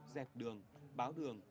dẹp đường báo đường